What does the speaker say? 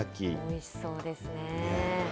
おいしそうですね。